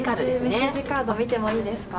メッセージカード見てもいいですか？